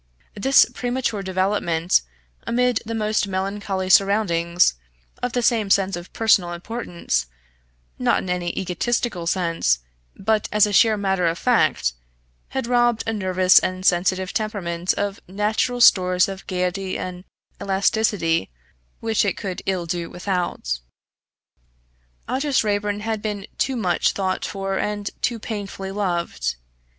This premature development, amid the most melancholy surroundings, of the sense of personal importance not in any egotistical sense, but as a sheer matter of fact had robbed a nervous and sensitive temperament of natural stores of gaiety and elasticity which it could ill do without. Aldous Raeburn had been too much thought for and too painfully loved.